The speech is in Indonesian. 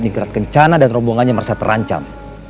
nikrat kencana dan rombongannya merasa terancam